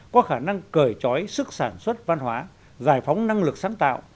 có khả năng cởi trói sức sản xuất văn hóa giải phóng năng lực sáng tạo